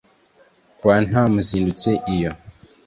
kwa ntamuzindutsi iyo